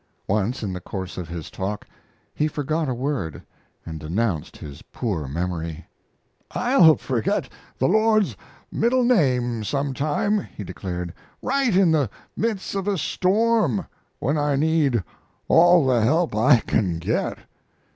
Once, in the course of his talk, he forgot a word and denounced his poor memory: "I'll forget the Lord's middle name some time," he declared, "right in the midst of a storm, when I need all the help I can get."